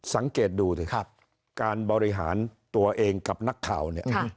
สังเกตดูสิครับการบริหารตัวเองกับนักข่าวเนี่ย